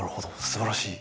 すばらしい。